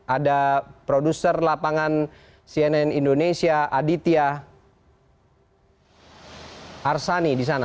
ada produser lapangan cnn indonesia aditya arsani di sana